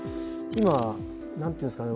今なんていうんですかね